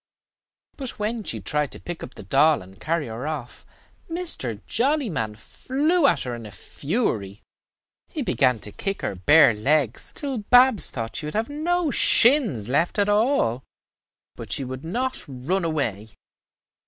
But when she tried to pick up the doll and carry her off, Mr. Jollyman flew at her in a fury. He began to kick her bare legs till Babs thought she would have no shins left at all; but she would not run away.